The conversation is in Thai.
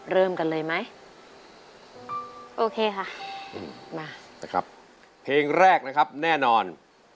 เริ่มกันเลยไหมโอเคค่ะมานะครับเพลงแรกนะครับแน่นอน